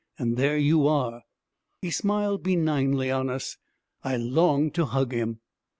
And there you are!' He smiled benignly on us. I longed to hug him.